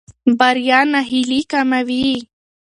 بریا ناهیلي کموي.